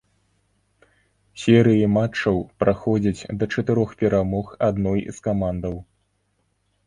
Серыі матчаў праходзяць да чатырох перамог адной з камандаў.